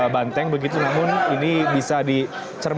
karena itu paling agresif